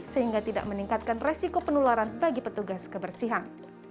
sehingga tidak meningkatkan resiko penularan bagi petugas kebersihan